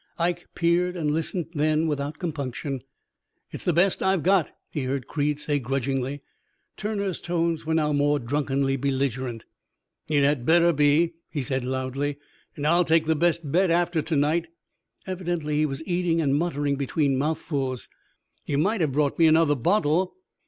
Ike peered and listened then without compunction. "'It's the best I've got,' he heard Creed say grudgingly. Turner's tones were now more drunkenly belligerent. "'It had better be,' he said loudly. 'And I'll take the best bed after to night.' Evidently he was eating and muttering between mouthfuls. 'You might have brought me another bottle.'